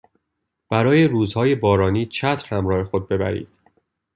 برای روزهای بارانی چتر همراه خود ببرید